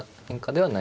はい。